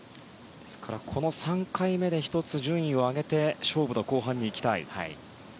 この３回目で１つ順位を上げて勝負の後半に行きたい。